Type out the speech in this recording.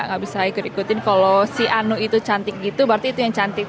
gak bisa ikut ikutin kalau si anu itu cantik gitu berarti itu yang cantik